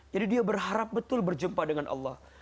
jadi dia berharap betul berjumpa dengan allah